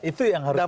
itu yang harus benar